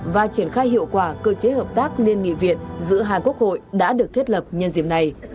và triển khai hiệu quả cơ chế hợp tác liên nghị viện giữa hai quốc hội đã được thiết lập nhân dịp này